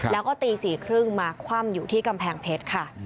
แล้วก็ตี๔๓๐มาคว่ำอยู่ที่กำแพงเพชรค่ะ